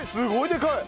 でかい！